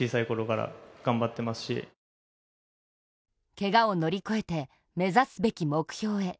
けがを乗り越えて、目指すべき目標へ。